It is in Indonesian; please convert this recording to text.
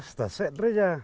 sekedar rp seratus